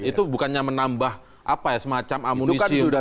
itu bukannya menambah apa ya semacam amunisi untuk